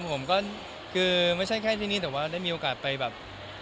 ผมก็คือไม่ใช่แค่ที่นี่แต่ว่าได้มีโอกาสไปแบบ